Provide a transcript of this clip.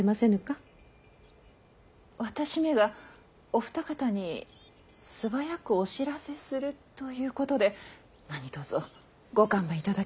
私めがお二方に素早くお知らせするということで何とぞご勘弁頂きたく。